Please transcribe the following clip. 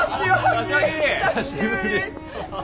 久しぶり！